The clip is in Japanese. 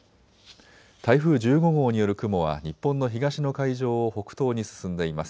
台風１５号による雲は日本の東の海上を北東に進んでいます。